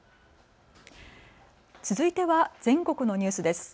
続いては全国のニュースです。